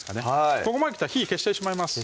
ここまできたら火消してしまいます